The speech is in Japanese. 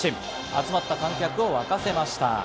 集まった観客を沸かせました。